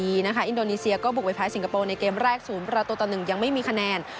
อินโดนีเซียก็บุกไปแพ้สิงคโปร์ในเกมแรก๐ประตูต่อ๑ยังไม่มีคะแนน